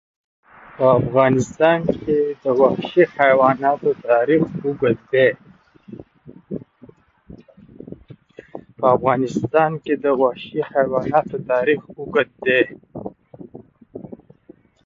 په افغانستان کې د وحشي حیوانات تاریخ اوږد دی.